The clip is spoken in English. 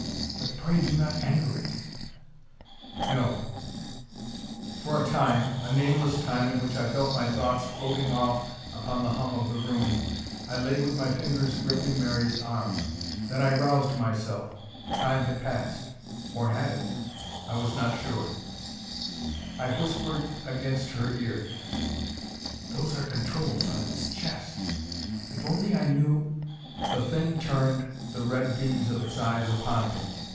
But pray do not anger it." "No." For a time a nameless time in which I felt my thoughts floating off upon the hum of the room I lay with my fingers gripping Mary's arm. Then I roused myself. Time had passed; or had it? I was not sure. I whispered against her ear, "Those are controls on its chest. If only I knew " The thing turned the red beams of its eyes upon me.